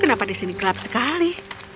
kenapa di sini gelap sekali